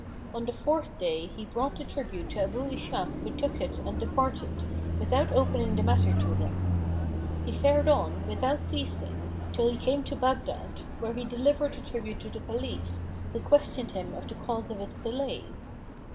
On the fourth day he brought the tribute to Abu Ishak who took it and departed, without opening the matter to him. He fared on, without ceasing, till he came to Baghdad, where he delivered the tribute to the Caliph, who questioned him of the cause of its delay.